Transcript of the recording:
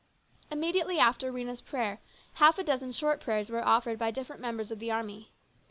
Immediately after Rhena's prayer, half a dozen short prayers were offered by different members of the army.